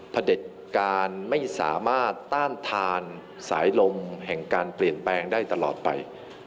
เด็จการไม่สามารถต้านทานสายลมแห่งการเปลี่ยนแปลงได้ตลอดไป